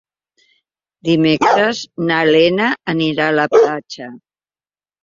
Dimecres na Lena anirà a la platja.